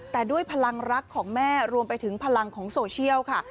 แต่ด้วยพลังรักของแม่รวมไปถึงพลังของโซเชียลค่ะ